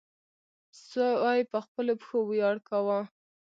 سوی په خپلو پښو ویاړ کاوه.